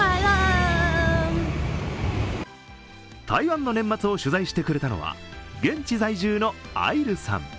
台湾の年末を取材してくれたのは、現地在住のあいるさん。